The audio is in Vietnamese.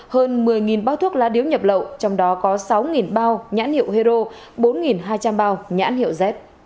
hơn một mươi bác thuốc lá điếu nhập lậu trong đó có sáu bao nhãn hiệu hero bốn hai trăm linh bao nhãn hiệu z